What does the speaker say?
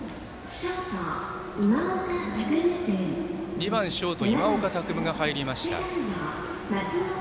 ２番ショート、今岡拓夢が入りました。